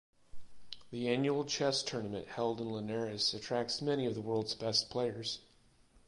The annual chess tournament held in Linares attracts many of the world's best players.